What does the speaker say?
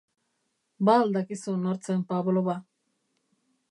Ba al dakizu nor zen Pavlova?